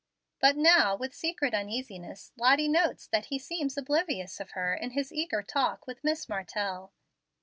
But now, with secret uneasiness, Lottie notes that he seems oblivious of her in his eager talk with Miss Martell.